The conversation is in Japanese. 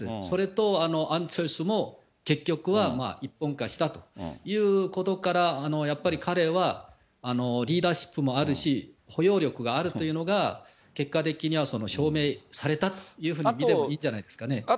それとアン・チョルスも結局は、一本化したということから、やっぱり彼はリーダーシップもあるし、包容力があるというのが、結果的には証明されたというふうに見てもいいんじゃないですかね。